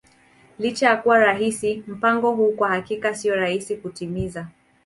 Licha ya kuwa halisi, mpango huu kwa hakika sio rahisi kutimiza.